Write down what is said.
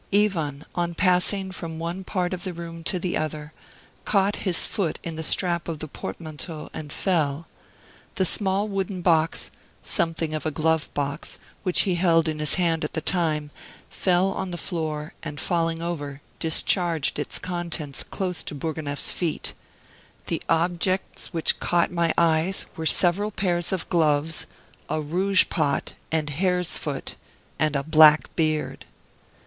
Ivan, on passing from one part of the room to the other, caught his foot in the strap of the portmanteau and fell. The small wooden box, something of a glove box, which he held in his hand at the time, fell on the floor, and falling over, discharged its contents close to Bourgonef's feet. The objects which caught my eyes were several pairs of gloves, a rouge pot and hare's foot, and a black beard!